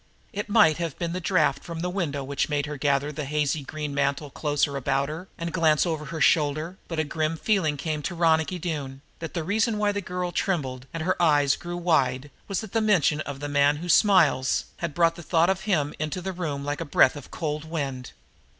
It might have been the draft from the window which made her gather the hazy green mantle closer about her and glance over her shoulder; but a grim feeling came to Ronicky Doone that the reason why the girl trembled and her eyes grew wide, was that the mention of "the man who smiles" had brought the thought of him into the room like a breath of cold wind.